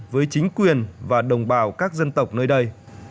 với chính quyền và đồng bào các dân tộc nơi đây